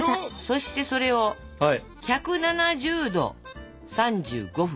そしてそれを１７０℃３５分。